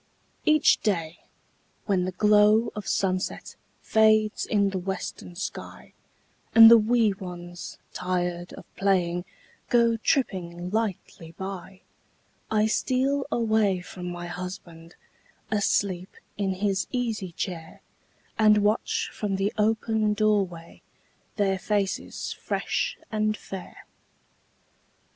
Each day, when the glow of sunset Fades in the western sky, And the wee ones, tired of playing, Go tripping lightly by, I steal away from my husband, Asleep in his easy chair, And watch from the open door way Their faces fresh and fair.